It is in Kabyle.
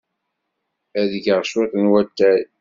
Ad d-geɣ cwiṭ n watay.